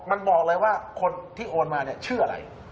มันบอกเลยว่าคนที่โอนมาเนี่ยชื่ออะไร